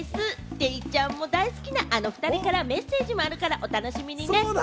デイちゃんも大好きなあの２人からメッセージもあるから、お楽しみにね！